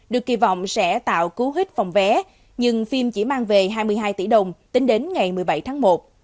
được kỳ vọng sẽ tạo cú hít phòng vé nhưng phim chỉ mang về hai mươi hai tỷ đồng tính đến ngày một mươi bảy tháng một